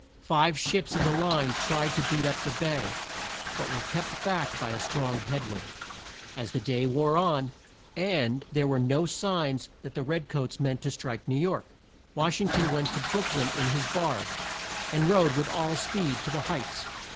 Five ships of the line tried to beat up the bay, but were kept back by a strong head wind. As the day wore on, and there were no signs that the red coats meant to strike New York, Wash ing ton went to Brook lyn in his barge, and rode with all speed to the Heights.